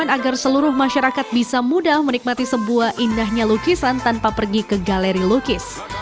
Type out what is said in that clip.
dan agar seluruh masyarakat bisa mudah menikmati sebuah indahnya lukisan tanpa pergi ke galeri lukis